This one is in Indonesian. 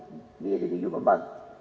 jika ada keadaan yang terjadi